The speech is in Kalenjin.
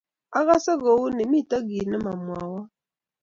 akase kouni mito kito ne mamwowon